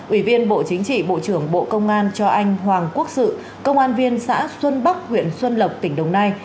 ủy viên bộ chính trị bộ trưởng bộ công an cho anh hoàng quốc sự công an viên xã xuân bắc huyện xuân lộc tỉnh đồng nai